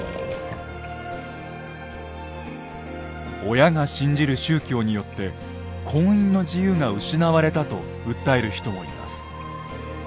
親が信じる宗教によって婚姻の自由が失われたと訴える人もいます。